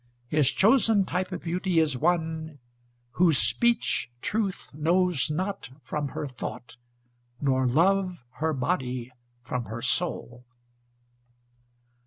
His chosen type of beauty is one, Whose speech Truth knows not from her thought, Nor Love her body from her soul.